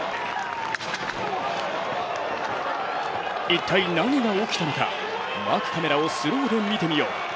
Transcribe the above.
一体何が起きたのか、マークカメラをスローで見てみよう。